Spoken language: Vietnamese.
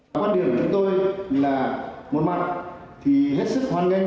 quan điểm của chúng tôi là một mặt thì hết sức hoan nghênh